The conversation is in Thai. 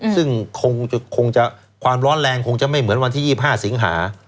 ซึ่งคงจะความร้อนแรงคงจะไม่เหมือนวันที่๒๕สิงหา